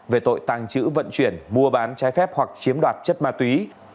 về tội tàng trữ vận chuyển mua bán trái phép hoặc chiếm đoạt chất ma túy